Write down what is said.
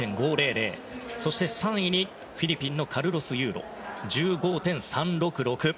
そして３位にフィリピンのカルロス・ユーロ１５．３６６。